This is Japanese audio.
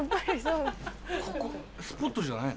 ここスポットじゃないの？